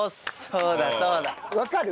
そうだそうだ。わかる？